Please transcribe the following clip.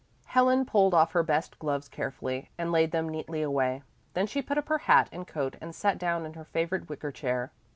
Helen pulled off her best gloves carefully, and laid them neatly away, then she put up her hat and coat and sat down in her favorite wicker chair.